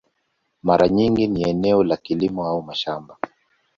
Mara nyingi ni eneo la kilimo au mashamba.